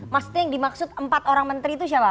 maksudnya yang dimaksud empat orang menteri itu siapa